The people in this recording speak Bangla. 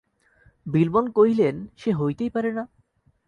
বিল্বন কহিলেন, সে হইতেই পারে না।